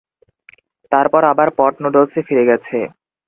তারপর আবার পট নুডলসে ফিরে গেছে।